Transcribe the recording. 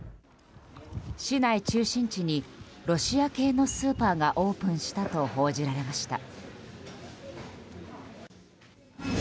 市内中心地にロシア系のスーパーがオープンしたと報じられました。